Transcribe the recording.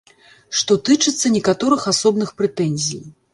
Што тычыцца некаторых асобных прэтэнзій.